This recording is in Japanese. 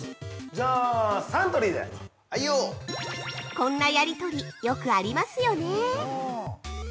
◆こんなやりとり、よくありますよね！